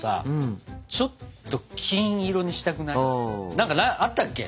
何かあったけ？